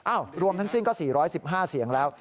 รวมทั้งสิ้นก็๔๑๕เสียงแล้ว